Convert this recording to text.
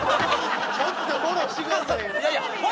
もっとフォローしてくださいよ！